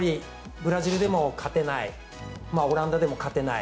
ブラジルでも勝てないオランダでも勝てない。